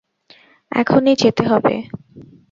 এখনি যেতে হবে।